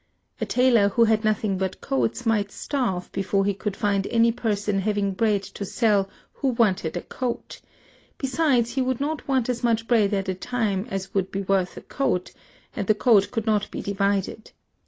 A tailor, who had nothing but coats, might starve before he could find any person having bread to sell who wanted a coat: besides, he would not want as much bread at a time as would be worth a coat, and the coat could not be divided.